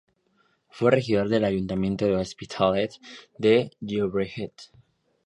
Fue regidor del ayuntamiento de Hospitalet de Llobregat.